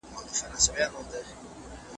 څوک دي مرسته نه سي کړلای